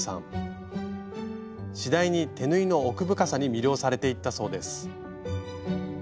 次第に手縫いの奥深さに魅了されていったそうです。